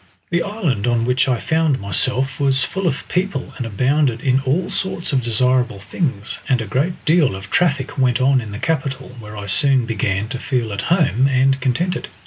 The island on which I found myself was full of people, and abounded in all sorts of desirable things, and a great deal of traffic went on in the capital, where I soon began to feel at home and contented.